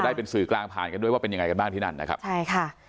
ได้เป็นสื่อกลางผ่านกันด้วยว่าเป็นยังไงกันบ้างที่นั่นนะครับใช่ค่ะ